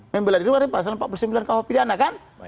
membela diri berarti pasal empat puluh sembilan kawah pidana